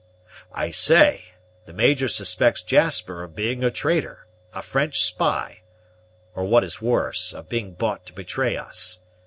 "I say, the Major suspects Jasper of being a traitor a French spy or, what is worse, of being bought to betray us.